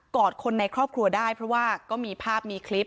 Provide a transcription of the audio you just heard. อดคนในครอบครัวได้เพราะว่าก็มีภาพมีคลิป